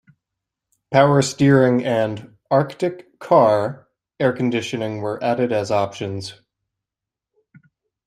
Power steering and "Artic-Kar" air-conditioning were added as options.